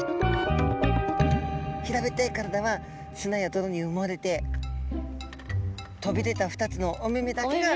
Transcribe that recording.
平べったい体は砂や泥にうもれて飛び出た２つのお目々だけが。